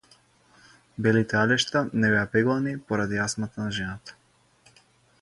Белите алишта не беа пеглани поради астмата на жената.